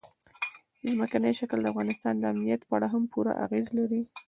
ځمکنی شکل د افغانستان د امنیت په اړه هم پوره اغېز لري.